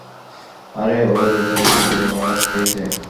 আরে ঐ বেচারি কতো বড় আঘাত খেয়েছে!